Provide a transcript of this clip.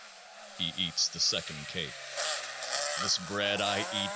He eats the second Cake. This Bread I eat.